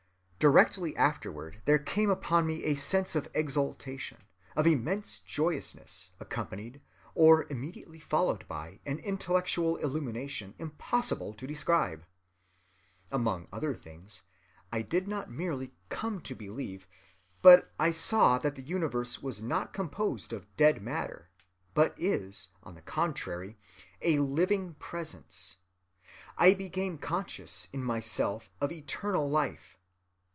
Directly afterward there came upon me a sense of exultation, of immense joyousness accompanied or immediately followed by an intellectual illumination impossible to describe. Among other things, I did not merely come to believe, but I saw that the universe is not composed of dead matter, but is, on the contrary, a living Presence; I became conscious in myself of eternal life.